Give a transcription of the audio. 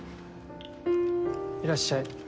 いらっしゃい。